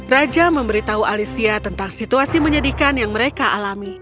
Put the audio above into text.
raja memberitahu alicia tentang situasi menyedihkan yang mereka alami